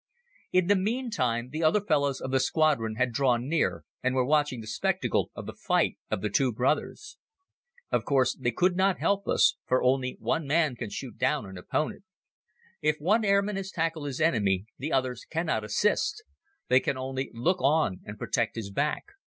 In the meantime, the other fellows of the squadron had drawn near and were watching the spectacle of the fight of the two brothers. Of course they could not help us, for only one man can shoot down an opponent. If one airman has tackled his enemy the others cannot assist. They can only look on and protect his back.